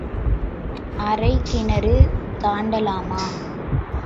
அரைக் கிணறு தாண்டலாமா?